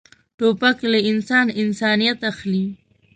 توپک له انسان انسانیت اخلي.